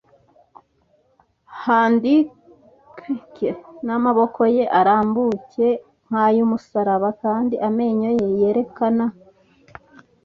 handpike, n'amaboko ye arambuye nk'ay'umusaraba kandi amenyo ye yerekana